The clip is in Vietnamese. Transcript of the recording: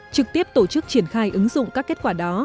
trực tiếp tổ chức triển khai ứng dụng các kết quả đó